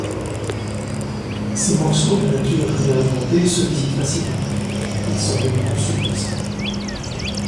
Ces morceaux de nature réinventée se visitent facilement, ils sont même conçus pour ça.